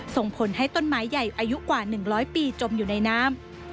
ส่งผลให้ต้นไม้ใหญ่อายุกว่า๑๐๐ปีจมอยู่ในน้ำ